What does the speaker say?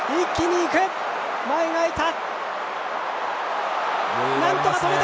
前が空いた！